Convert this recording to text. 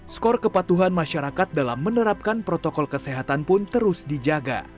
skor kepatuhan masyarakat dalam menerapkan protokol kesehatan pun terus dijaga